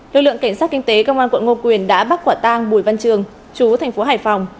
lực lượng cảnh sát kinh tế công an quận ngô quyền đã bắt quả tang bùi văn trường